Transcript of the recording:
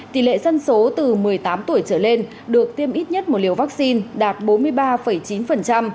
tỷ lệ dân số từ một mươi tám tuổi trở lên được tiêm ít nhất một liều vaccine đạt bốn mươi ba chín